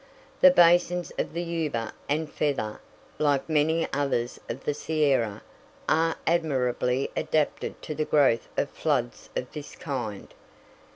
The basins of the Yuba and Feather, like many others of the Sierra, are admirably adapted to the growth of floods of this kind.